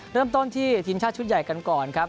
เริ่มต้นที่ทีมชาติชุดใหญ่กันก่อนครับ